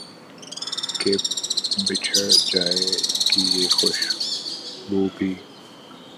کہ بچھڑ جائے گی یہ خوش بو بھی